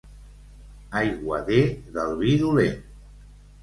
Aiguader del vi dolent.